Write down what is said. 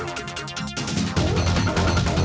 terima kasih chandra